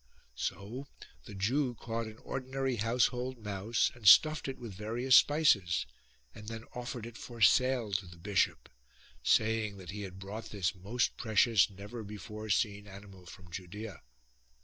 So the Jew caught an ordinary household mouse and stuffed it with various spices, and then offered it for sale to the bishop, saying that he had brought this most precious never before seen animal from Judea.